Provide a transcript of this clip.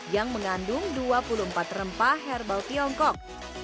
yang mengandung dua puluh empat rempah herbal tiongkok